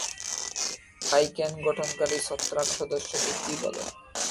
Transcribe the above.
পাইকেন গঠনকারী ছত্রাক সদস্যকে কী বলে?